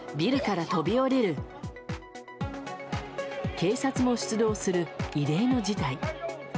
警察も出動する異例の事態。